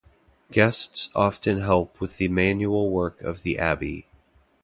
Guests often help with the manual work of the abbey.